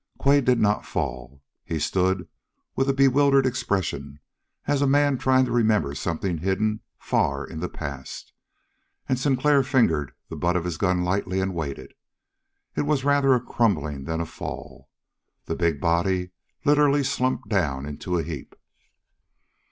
Quade did not fall. He stood with a bewildered expression, as a man trying to remember something hidden far in the past; and Sinclair fingered the butt of his gun lightly and waited. It was rather a crumbling than a fall. The big body literally slumped down into a heap.